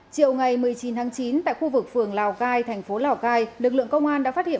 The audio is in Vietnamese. chiều ngày một mươi chín tháng chín tại khu vực phường lào cai thành phố lào cai lực lượng công an đã phát hiện